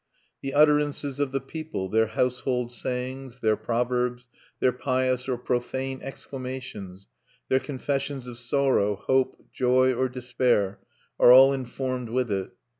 The utterances of the people, their household sayings, their proverbs, their pious or profane exclamations, their confessions of sorrow, hope, joy, or despair, are all informed with it.